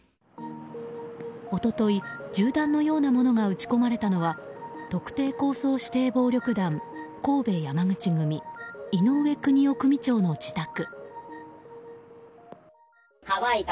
一昨日、銃弾のようなものが撃ち込まれたのは特定抗争指定暴力団神戸山口組、井上邦雄組長の自宅。